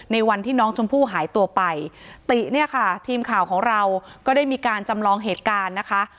วันที่น้องชมพู่หายตัวไปติเนี่ยค่ะทีมข่าวของเราก็ได้มีการจำลองเหตุการณ์นะคะ